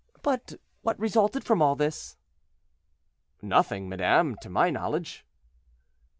But what resulted from all this?" "Nothing, madame, to my knowledge."